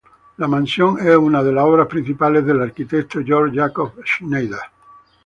La mansión es una de las obras principales del arquitecto Georg Jakob Schneider.